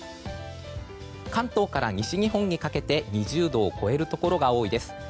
関東から西日本にかけて２０度を超えるところが多いです。